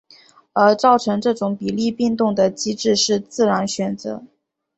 而造成这种比例变动的机制是自然选择。